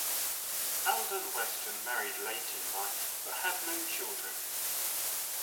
Alden Weston married late in life but had no children.